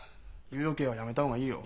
猶予刑はやめた方がいいよ。